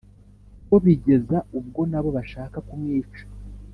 bo bigeza ubwo na bo bashaka kumwica